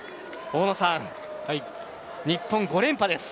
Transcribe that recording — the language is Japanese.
大野さん、日本５連覇です。